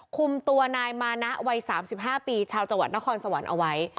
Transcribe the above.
คุมตัวนายมานะวัยสามสิบห้าปีชาวจัวร์นฮสวรรค์เอาไว้